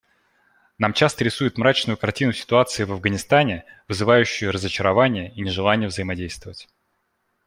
Нам часто рисуют мрачную картину ситуации в Афганистане, вызывающую разочарование и нежелание взаимодействовать.